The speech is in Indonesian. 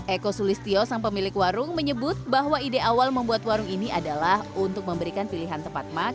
eko sulistyo sang pemilik warung menyebut bahwa ide awal membuat warung ini adalah untuk memberikan pilihan tempat makan